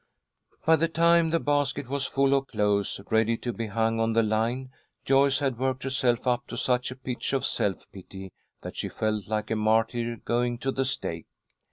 By the time the basket was full of clothes, ready to be hung on the line, Joyce had worked herself up to such a pitch of self pity that she felt like a martyr going to the stake.